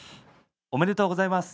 おめでとうございます。